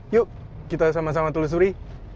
yuk kita sama sama telusuri